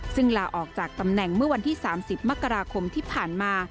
ซึ่งลาออกจากตำแหน่งเมื่อวันที่๓๐มกราคมที่ผ่านมา